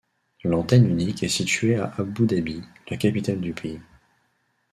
L'antenne unique est située à Abou Dabi, la capitale du pays.